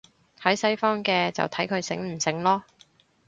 喺西方嘅，就睇佢醒唔醒囉